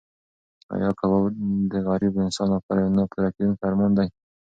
ایا کباب د غریب انسان لپاره یو نه پوره کېدونکی ارمان دی؟